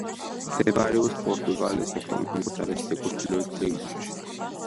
მდებარეობს პორტუგალიის ეკონომიკურ-სტატისტიკურ ჩრდილოეთ რეგიონში.